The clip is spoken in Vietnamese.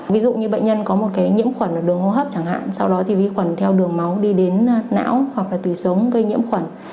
ví dụ như bệnh nhân có một cái nhiễm khuẩn ở đường hô hấp chẳng hạn sau đó thì vi khuẩn theo đường máu đi đến não hoặc là tùy sống gây nhiễm khuẩn